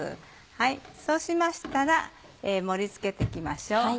そうしましたら盛り付けて行きましょう。